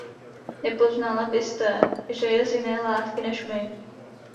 Nepoznala byste, že je z jiné látky než my.